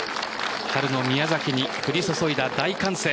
春の宮崎に降り注いだ大歓声。